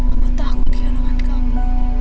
aku takut kehilangan kamu